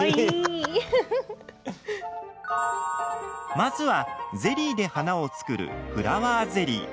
まずは、ゼリーで花を作るフラワーゼリー。